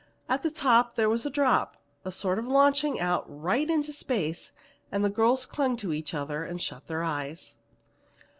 At the top there was a drop, a sort of launching out right into space, and the girls clung to each other and shut their eyes.